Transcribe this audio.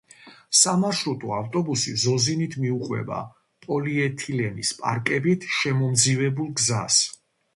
სამარშრუტო ავტობუსი ზოზინით მიუყვება პოლიეთილენის პარკებით შემომძივებულ გზას.